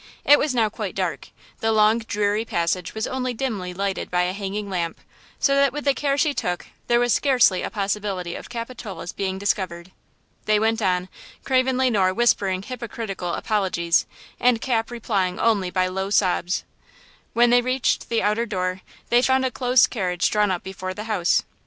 It was now quite dark–the long, dreary passage was only dimly lighted by a hanging lamp, so that with the care she took there was scarcely a possibility of Capitola's being discovered. They went on, Craven Le Noir whispering hypocritical apologies and Cap replying only by low sobs. When they reached the outer door they found a close carriage drawn up before the house.